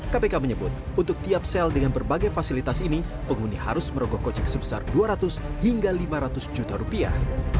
kpk menyebut untuk tiap sel dengan berbagai fasilitas ini penghuni harus merogoh kocek sebesar dua ratus hingga lima ratus juta rupiah